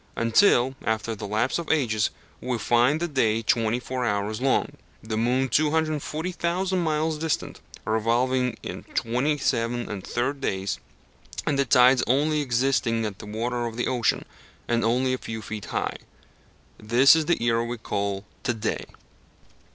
Until, after the lapse of ages, we find the day twenty four hours long, the moon 240,000 miles distant, revolving in 27 1/3 days, and the tides only existing in the water of the ocean, and only a few feet high. This is the era we call "to day."